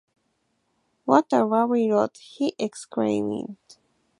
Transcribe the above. “What a lovely lot!” he exclaimed.